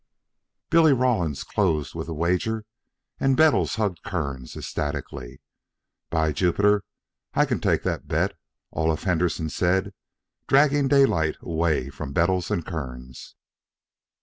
Billy Rawlins closed with the wager, and Bettles hugged Kearns ecstatically. "By Yupiter, I ban take that bet," Olaf Henderson said, dragging Daylight away from Bettles and Kearns.